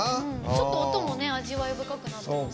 ちょっと音も味わい深くなってますね。